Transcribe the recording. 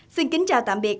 xin kính chào tạm biệt